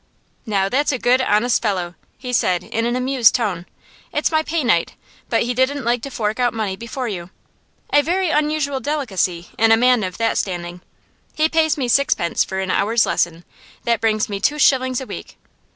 'Now that's a good, honest fellow,' he said, in an amused tone. 'It's my pay night, but he didn't like to fork out money before you. A very unusual delicacy in a man of that standing. He pays me sixpence for an hour's lesson; that brings me two shillings a week.